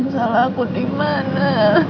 salah aku dimana